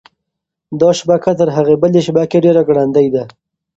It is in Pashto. دا شبکه تر هغې بلې شبکې ډېره ګړندۍ ده.